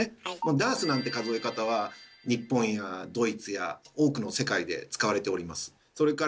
ダースなんて数え方は日本やドイツや多くの世界で使われております。